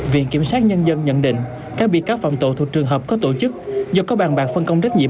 viện kiểm sát nhân dân nhận định các bị cáo phạm tội thuộc trường hợp có tổ chức do có bàn bạc phân công trách nhiệm